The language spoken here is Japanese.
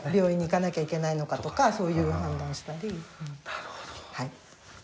なるほど。